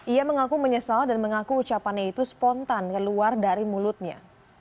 ia mengaku menyesal dan mengaku ucapannya itu spontan keluar dari mulutnya